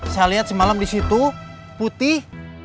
saya liat semalam disitu putih